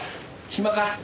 暇か？